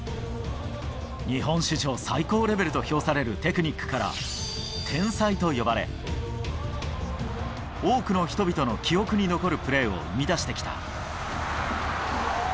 日本史上、最高レベルと評されるテクニックから、天才と呼ばれ、多くの人々の記憶に残るプレーを生み出してきた。